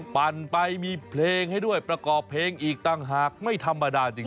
ปั่นไปมีเพลงให้ด้วยประกอบเพลงอีกต่างหากไม่ธรรมดาจริง